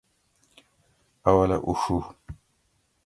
اولہ اڛو